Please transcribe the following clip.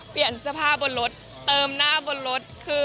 เปลี่ยนสภาพบนรถเติมหน้าบนรถ